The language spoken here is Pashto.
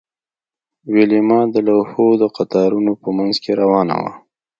ویلما د لوحو د قطارونو په مینځ کې روانه وه